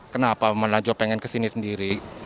kenapa menajjo pengen kesini sendiri